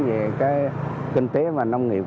về cái kinh tế và nông nghiệp